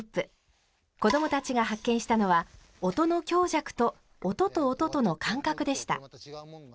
子どもたちが発見したのは音の強弱と音と音との間隔でした。